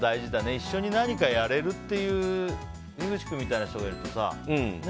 一緒に何かをやれるというひぐち君みたいな人がいるとさ。